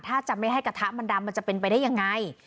ถ้าจะไม่ให้กระทะมันดำมันจะเป็นไปได้ยังไง